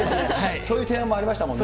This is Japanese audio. そういう提案もありましたもんね。